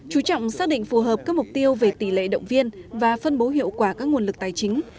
chú trọng xác định phù hợp các mục tiêu về tỷ lệ động viên và phân bố hiệu quả các nguồn lực tài chính